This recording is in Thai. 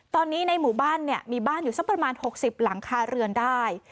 ตอนนี้ในหมู่บ้านเนี่ยมีบ้านอยู่สักประมาณ๖๐หลังคาเรือนได้